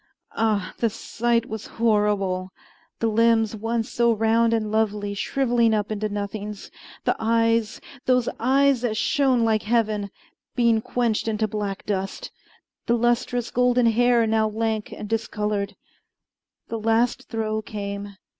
Ah! the sight was horrible: the limbs once so round and lovely shriveling up into nothings; the eyes those eyes that shone like heaven being quenched into black dust; the lustrous golden hair now lank and discolored. The last throe came.